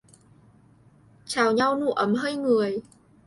Chào nhau nụ ấm hơi người